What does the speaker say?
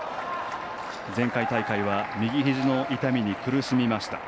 前回大会は右ひじの痛みに苦しみました。